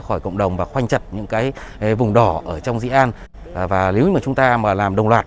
khỏi cộng đồng và khoanh chật những cái vùng đỏ ở trong di an và nếu mà chúng ta mà làm đồng loạt